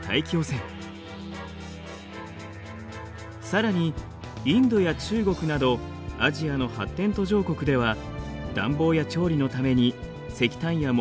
さらにインドや中国などアジアの発展途上国では暖房や調理のために石炭や木炭を燃やしています。